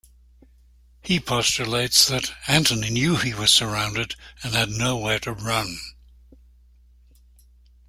He postulates that Antony knew he was surrounded and had nowhere to run.